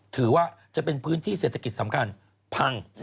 ถือว่าเป็นพื้นที่เศรษฐกิจสำคัญพัง